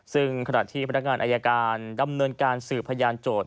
ซึ่งขณะที่พนักงานอายการดำเนินการสืบพยานโจทย